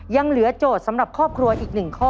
ยังเหลือโจทย์สำหรับครอบครัวอีก๑ข้อ